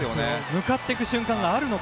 向かっていく瞬間があるのか。